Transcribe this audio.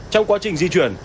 trong quá trình di chuyển